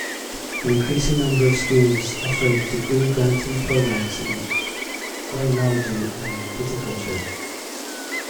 An increasing number of schools offer degree-granting programs in Oenology and Viticulture.